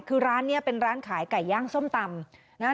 คือร้านนี้เป็นร้านขายไก่ย่างส้มตำนะฮะ